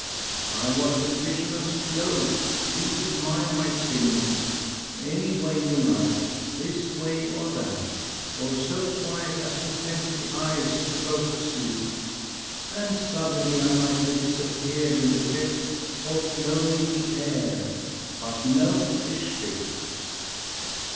"I was a fisherman's float: please admire my simile; any way you like, this way or that, or so quiet as to tempt the eyes to go to sleep. And suddenly I might have disappeared in the depths, or flown in the air. But no fish bit."